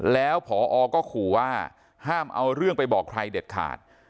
แล้วพอก็ขู่ว่าห้ามเอาเรื่องไปบอกใครเด็ดขาด